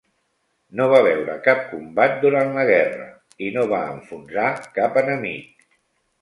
No va veure cap combat durant la guerra, i no va enfonsar cap enemic.